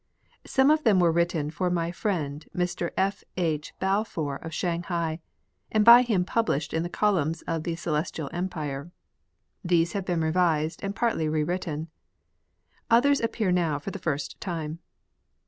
Some of them were written for my friend Mr F. H. Balfour of Shanghai, and by him published in the columns of the Celestial Empire. These have been revised and partly re written ; others appear now for the first time.